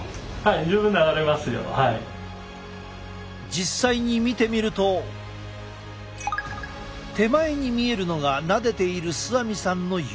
実際に見てみると手前に見えるのがなでている須網さんの指。